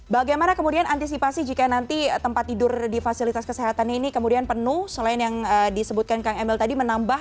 bagaimana kemudian antisipasi jika nanti tempat tidur di fasilitas kesehatan ini kemudian penuh selain yang disebutkan kang emil tadi menambah